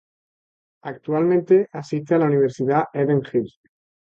Actualmente asiste a la Universidad Eden Hills.